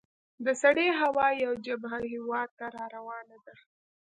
د سړې هوا یوه جبهه هیواد ته را روانه ده.